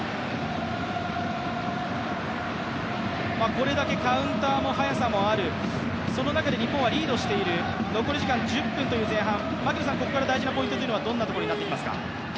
これだけカウンターも速さもある、その中で日本はリードしている、残り時間１０分という前半、ここから大事なポイントはどんなところになってきますか？